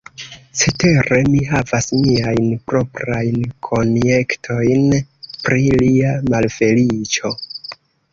Cetere, mi havas miajn proprajn konjektojn pri lia malfeliĉo.